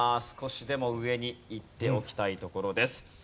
少しでも上に行っておきたいところです。